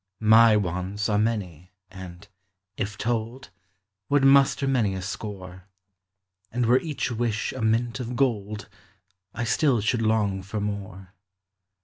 My wants are many and, if told, Would muster many a score : And were each wish a mint of gold, I still should long for more.